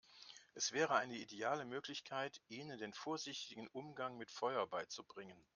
Es wäre eine ideale Möglichkeit, ihnen den vorsichtigen Umgang mit Feuer beizubringen.